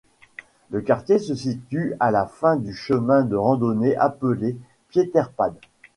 Le quartier se situe à la fin du chemin de randonnée appelé Pieterpad.